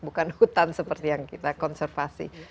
bukan hutan seperti yang kita konservasi